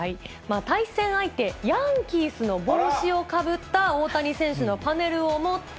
対戦相手、ヤンキースの帽子をかぶった大谷選手のパネルを持って。